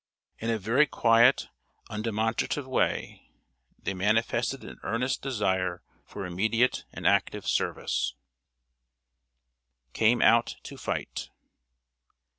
In a very quiet, undemonstrative way, they manifested an earnest desire for immediate and active service. [Sidenote: "CAME OUT TO FIGHT!"